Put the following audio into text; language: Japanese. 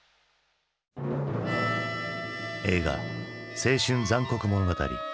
映画「青春残酷物語」。